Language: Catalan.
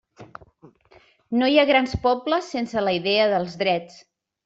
No hi ha grans pobles sense la idea dels drets.